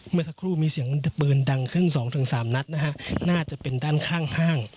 เมื่อสักครู่มีเสียงปืนดังขึ้น๒๓นัดนะฮะน่าจะเป็นด้านข้างห้าง